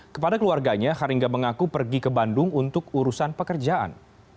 kepada keluarganya haringga mengaku pergi ke bandung untuk urusan pekerjaan